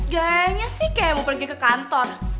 gayanya sih kayak mau pergi ke kantor